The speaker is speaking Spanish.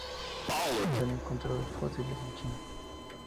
Se han encontrado fósiles en China.